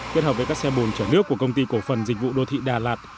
kết hợp với các xe bồn chở nước của công ty cổ phần dịch vụ đô thị đà lạt